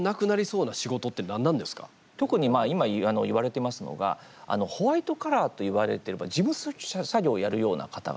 特に今いわれていますのがホワイトカラーといわれている事務作業をやるような方々。